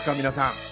皆さん。